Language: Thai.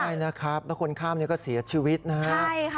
ใช่นะครับแล้วคนข้ามเนี้ยก็เสียชีวิตนะฮะใช่ค่ะ